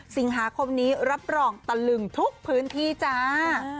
สิงหาคมนี้รับรองตะลึงทุกพื้นที่จ้า